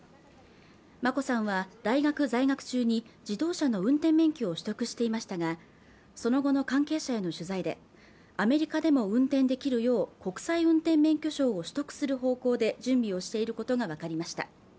眞子さんは大学在学中に自動車の運転免許を取得していましたがその後の関係者への取材でアメリカでも運転できるよう国際運転免許証を取得する方向で準備をしていることが分かりました